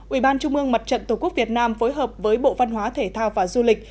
ubnd mặt trận tổ quốc việt nam phối hợp với bộ văn hóa thể thao và du lịch